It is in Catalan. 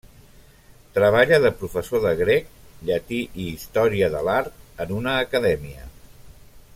Treballa de professor de grec, llatí i història de l'art en una acadèmia.